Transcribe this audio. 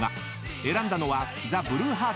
［選んだのは］